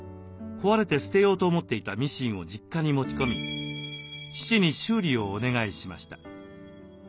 壊れて捨てようと思っていたミシンを実家に持ち込み父に修理をお願いしました。